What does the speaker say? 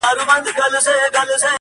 • لا په غاړه د لوټونو امېلونه ,